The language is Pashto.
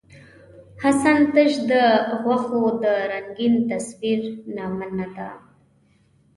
حسن تش د غوښو د رنګین تصویر نامه نۀ ده.